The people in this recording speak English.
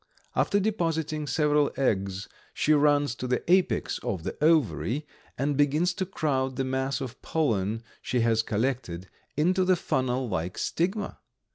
After depositing several eggs, she runs to the apex of the ovary and begins to crowd the mass of pollen she has collected into the funnel like stigma.